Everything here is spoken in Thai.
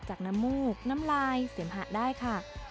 น้ำมูกน้ำลายเสมหะได้ค่ะ